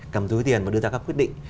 cầm túi tiền và đưa ra các quyết định